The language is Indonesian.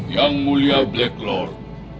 yang mulia black lord